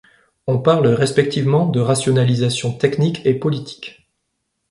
On parle respectivement de rationalisation technique et politique.